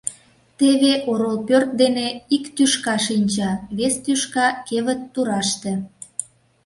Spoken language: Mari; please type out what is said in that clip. Теве орол пӧрт дене ик тӱшка шинча, вес тӱшка — кевыт тураште.